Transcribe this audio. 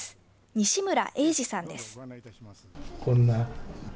西村栄時さんです。